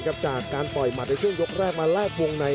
จากการต่อยหมัดในช่วงยกแรกมาแลกวงใน